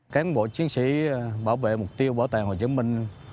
cán bộ chiến sĩ bảo vệ mục tiêu bảo tàng hồ chí minh